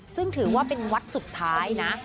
ซึ่งถือว่าเป็นวัดสุดท้ายนะ